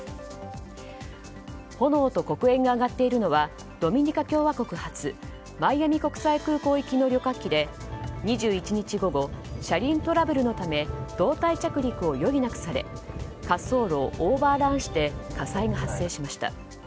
炎と黒煙が上がっているのはドミニカ共和国発マイアミ空港行きの旅客機で２１日午後、車輪トラブルのため胴体着陸を余儀なくされ滑走路をオーバーランして火災が発生しました。